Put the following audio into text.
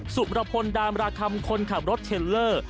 สุรพลดามราคำคนขับรถเทลเลอร์